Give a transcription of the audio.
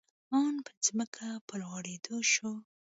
آن په ځمکه په لوغړېدو شو.